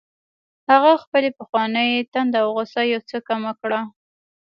هغه خپله پخوانۍ تنده او غوسه یو څه کمه کړه